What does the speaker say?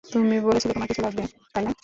তুমি বলেছিলে তোমার কিছু লাগবে, তাই না?